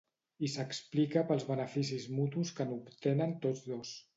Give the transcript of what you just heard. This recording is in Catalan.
I s’explica pels beneficis mutus que n’obtenen tots dos.